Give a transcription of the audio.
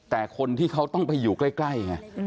แต่คนที่เขาต้องไปอยู่ใกล้ไง